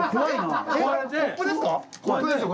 コップですか？